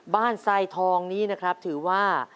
ทรายทองนี้นะครับถือว่า